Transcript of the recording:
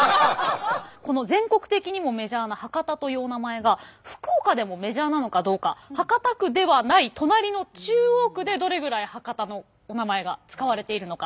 この全国的にもメジャーな博多というお名前が福岡でもメジャーなのかどうか博多区ではない隣の中央区でどれぐらい博多のお名前が使われているのか。